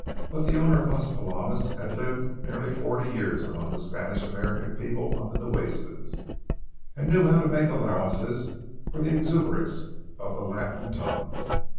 But the owner of Las Palomas had lived nearly forty years among the Spanish American people on the Nueces, and knew how to make allowances for the exuberance of the Latin tongue.